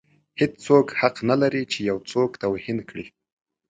هیڅوک حق نه لري چې یو څوک توهین کړي.